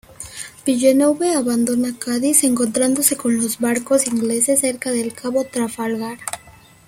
Villeneuve abandona Cádiz encontrándose con los barcos ingleses cerca del Cabo Trafalgar.